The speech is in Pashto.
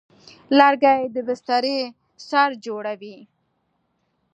لرګی د بسترې سر جوړوي.